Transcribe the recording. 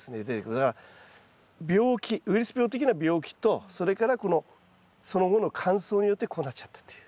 だから病気ウイルス病的な病気とそれからその後の乾燥によってこうなっちゃったっていう。